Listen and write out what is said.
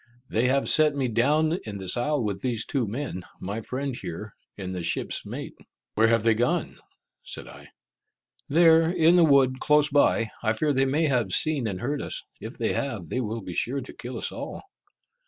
They have set me down in this isle with these two men, my friend here, and the ship's mate." "Where have they gone?" said I. "There, in the wood, close by. I fear they may have seen and heard us. If they have, they will be sure to kill us all."